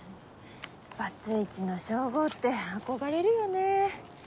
バツイチの称号って憧れるよね。